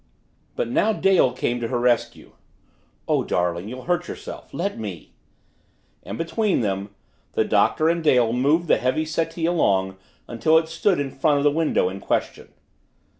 But now Dale came to her rescue. "Oh, darling, you'll hurt yourself. Let me " and between them, the Doctor and Dale moved the heavy settee along until it stood in front of the window in question.